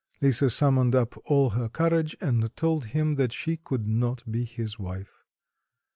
Lisa summoned up all her courage and told him that she could not be his wife.